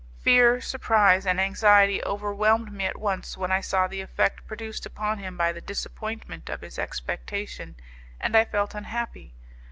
Fear, surprise, and anxiety overwhelmed me at once when I saw the effect produced upon him by the disappointment of his expectation, and I felt unhappy.